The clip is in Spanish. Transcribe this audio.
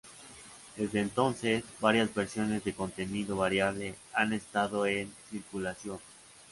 Desde entonces, varias versiones de contenido variable han estado en circulación.